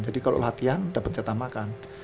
jadi kalau latihan dapat jatah makan